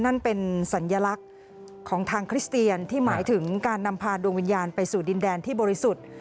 นั่นเป็นสัญลักษณ์ของทางคริสเตียนที่หมายถึงการนำพาดวงวิญญาณไปสู่ดินแดนที่บริสุทธิ์